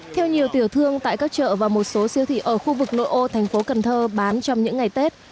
theo nhiều tiểu thương tại các chợ và một số siêu thị ở khu vực nội ô thành phố cần thơ bán trong những ngày tết